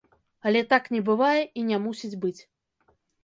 Але так не бывае і не мусіць быць.